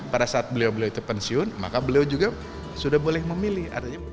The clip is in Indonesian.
pada saat beliau beliau itu pensiun maka beliau juga sudah boleh memilih